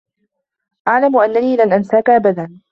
أعلم أنّني لن أنساك أبدا.